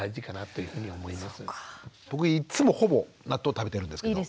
僕いっつもほぼ納豆食べてるんですけど。